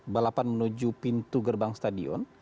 balapan menuju pintu gerbang stadion